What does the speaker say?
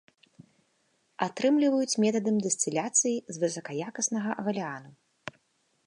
Атрымліваюць метадам дыстыляцыі з высакаякаснага гааляну.